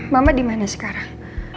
mama dimana sekarang